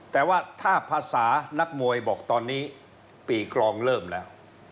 แต่ว่าถ้าภาษานักมวยบอกตอนนี้ปีกรองเริ่มแล้ว